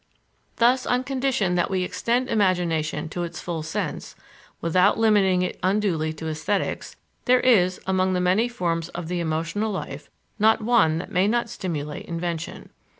Thus, on condition that we extend "imagination" to its full sense, without limiting it unduly to esthetics, there is, among the many forms of the emotional life, not one that may not stimulate invention.